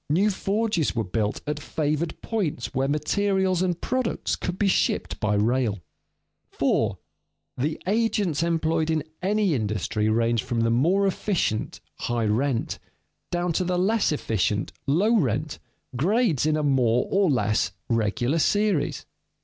New forges were built at favored points where materials and products could be shipped by rail. [Sidenote: Various grades of efficiency in rent bearers] 4. _The agents employed in any industry range from the more efficient, high rent, down to the less efficient, low rent, grades in a more or less regular series.